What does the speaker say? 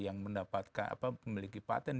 yang mendapatkan pemiliki patent